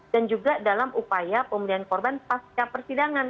dan juga dalam upaya pemulihan korban pasca persidangan